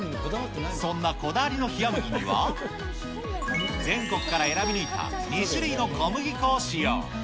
そんなこだわりの冷や麦には、全国から選び抜いた２種類の小麦粉を使用。